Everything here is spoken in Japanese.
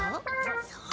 そう。